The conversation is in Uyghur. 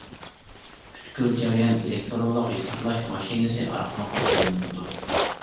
پۈتكۈل جەريان ئېلېكتىرونلۇق ھېسابلاش ماشىنىسى ئارقىلىق ئورۇنلىنىدۇ.